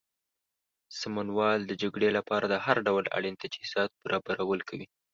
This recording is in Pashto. سمونوال د جګړې لپاره د هر ډول اړین تجهیزاتو برابرول کوي.